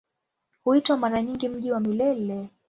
Huitwa mara nyingi "Mji wa Milele".